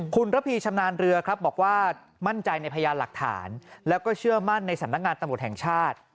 คุณระพีชำนาญเรือครับบอกว่ามั่นใจในพยานหลักฐานแล้วก็เชื่อมั่นในสำนักงานตำรวจแห่งชาติ